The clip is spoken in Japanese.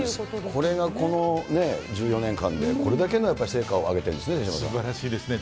これがこの１４年間でこれだけの成果を上げてるんですね、手嶋さすばらしいですね。